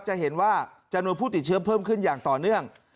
จะเห็นว่าจำนวนผู้ติดเชื้อเพิ่มขึ้นอย่างต่อเนื่อง